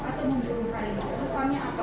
atau menghubung kalimau pesannya apa